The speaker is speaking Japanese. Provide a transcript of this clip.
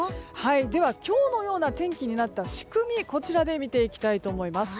では、今日のような天気になった仕組みをこちらで見ていきたいと思います。